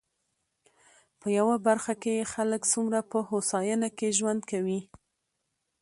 په يوه برخه کې يې خلک څومره په هوساينه کې ژوند کوي.